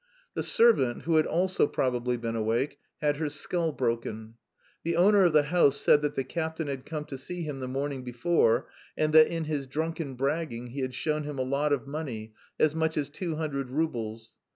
The servant, who had also probably been awake, had her skull broken. The owner of the house said that the captain had come to see him the morning before, and that in his drunken bragging he had shown him a lot of money, as much as two hundred roubles.